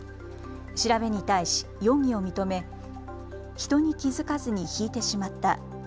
調べに対し容疑を認め人に気付かずにひいてしまった。